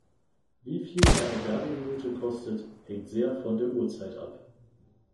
Wie viel eine Werbeminute kostet, hängt sehr von der Uhrzeit ab.